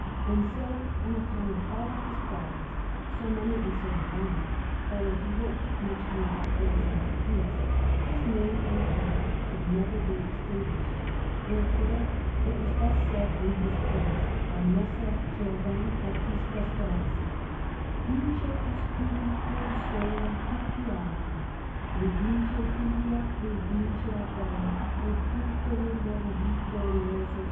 And so, on account of all his qualities, so many and so divine, although he worked much more by words than by deeds, his name and fame can never be extinguished; wherefore it was thus said in his praise by Messer Giovan Battista Strozzi: Vince costui pur solo Tutti altri; e vince Fidia e vince Apelle E tutto il lor vittorioso stuolo.